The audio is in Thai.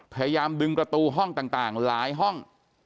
พยายามดึงประตูห้องต่างหลายห้อง